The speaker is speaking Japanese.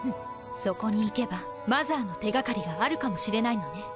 そこに行けばマザーの手掛かりがあるかもしれないのね？